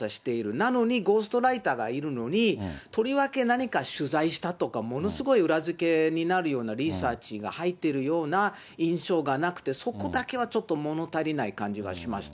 なのに、ゴーストライターがいるのに、とりわけ何か取材したとか、ものすごい裏付けになるようなリサーチが入っているような印象がなくて、そこだけはちょっと物足りない感じがしました。